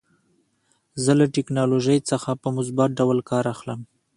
زه له ټکنالوژۍ څخه په مثبت ډول کار اخلم.